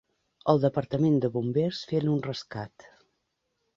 El departament de bombers fent un rescat.